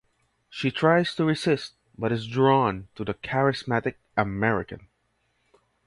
She tries to resist, but is drawn to the charismatic American.